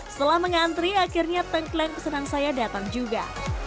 setelah mengantri akhirnya tengkleng pesanan saya datang juga